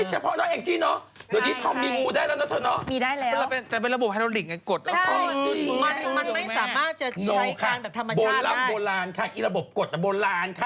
ใช่มันไม่สามารถจะใช้การแบบธรรมชาติได้โนค่ะโบราณค่ะไอ้ระบบกฎโบราณค่ะ